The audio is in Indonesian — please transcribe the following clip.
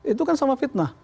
itu kan sama fitnah